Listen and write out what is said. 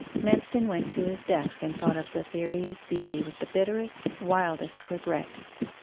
Manston went to his desk and thought of Cytherea's beauty with the bitterest, wildest regret.